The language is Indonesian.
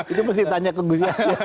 itu mesti tanya ke gus yahya